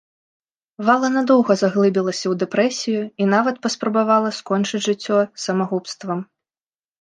Вала надоўга заглыбілася ў дэпрэсію і нават паспрабавала скончыць жыццё самагубствам.